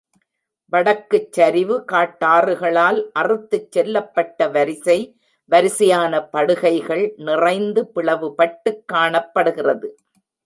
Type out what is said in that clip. வடக்குச் சரிவு காட்டாறுகளால் அறுத்துச் செல்லப் பட்ட வரிசை வரிசையான படுகைகள் நிறைந்து பிளவுபட்டுக் காணப்படுகிறது.